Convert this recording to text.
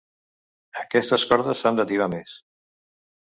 Aquestes cordes s'han de tibar més.